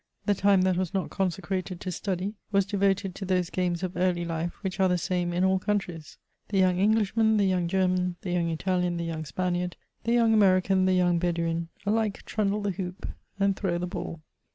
The time that was not consecrated to study, was devoted to those games of early life, which are the same in all countries. The young Englishman, the young German, the young Italian, the youpg Spaniard, the young American, the young Bedouin, — ^ke trundle the hoop fmd throw the ball.